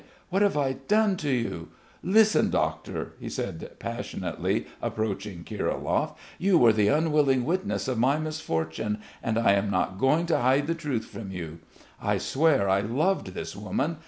What have I done to you? Listen, doctor," he said passionately approaching Kirilov. "You were the unwilling witness of my misfortune, and I am not going to hide the truth from you. I swear I loved this woman.